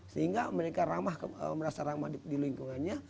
sehingga mereka merasa ramah di lingkungannya